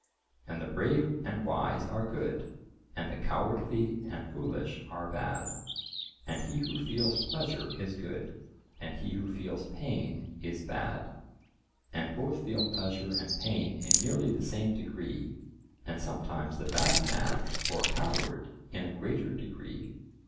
And the brave and wise are good, and the cowardly and foolish are bad. And he who feels pleasure is good, and he who feels pain is bad, and both feel pleasure and pain in nearly the same degree, and sometimes the bad man or coward in a greater degree.